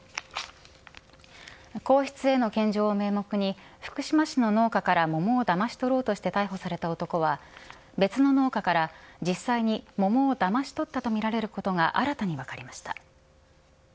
皇室への献上を名目に福島市の農家から桃をだまし取ろうとして逮捕された男は別の農家から実際に桃をだまし取ったとみられることが新たに分かりました。